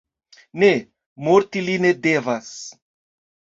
Ne, morti li ne devas!